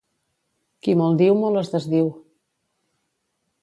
Qui molt diu, molt es desdiu.